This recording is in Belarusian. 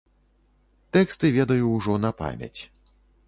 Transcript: Тэксты ведаю ўжо на памяць.